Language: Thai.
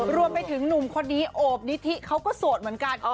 รวมไปถึงหนุ่มคนนี้โอบนิธิเขาก็โสดเหมือนกัน